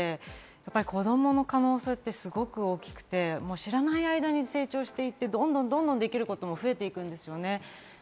石田さんがおっしゃった通り、子供の可能性ってすごく大きくて知らない間に成長していって、どんどんできることも増えていくんですよね。